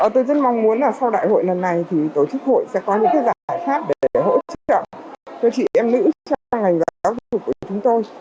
tôi rất mong muốn là sau đại hội lần này thì tổ chức hội sẽ có những giải pháp để hỗ trợ cho chị em nữ trong ngành giáo dục của chúng tôi